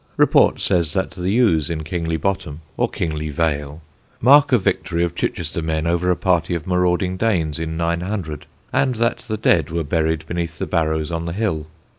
Report says that the yews in Kingly Bottom, or Kingly Vale, mark a victory of Chichester men over a party of marauding Danes in 900, and that the dead were buried beneath the barrows on the hill.